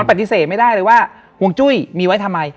ปฏิเสธไม่ได้เลยว่าห่วงจุ้ยมีไว้ทำไม